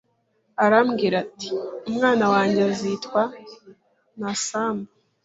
Arambwira ati :" Umwana wanjye azitwa :ntasambu